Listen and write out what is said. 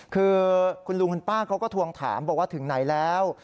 คือคุณลุงคุณป้าเขาก็ทวงถามบอกว่าถึงไหนแล้ว